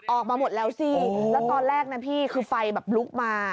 ออกมาหมดแล้วสิแล้วตอนแรกนะพี่คือไฟแบบลุกมา